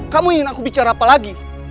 kamu ingin aku bicara apa lagi